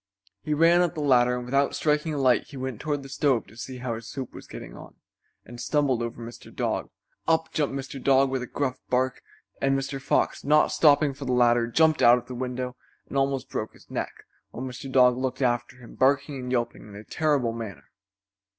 He ran up the ladder, and without striking a light he went toward the stove to see how his soup was getting on, and stumbled over Mr. Dog. Up jumped Mr. Dog with a gruff bark, and Mr. Fox, not stopping for the ladder, jumped out of the window and almost broke his neck, while Mr. Dog looked after him, barking and yelping in a terrible manner.